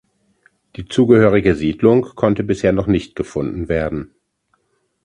Die zugehörige Siedlung konnte bisher noch nicht gefunden werden.